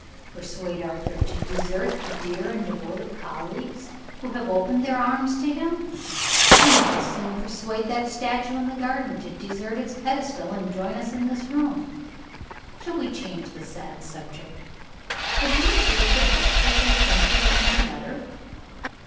Persuade Arthur to desert the dear and devoted colleagues who have opened their arms to him? I might as soon persuade that statue in the garden to desert its pedestal, and join us in this room. Shall we change the sad subject? Have you received the book which I sent you with my letter?"